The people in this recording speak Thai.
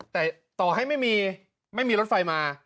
แต่ต่อให้ไม่มีรถไฟมา